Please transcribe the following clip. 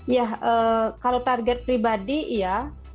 ya kalau target pribadi iya